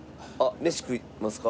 飯食いますか？